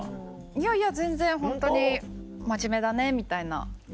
いやいや全然ホントに「真面目だね」みたいな。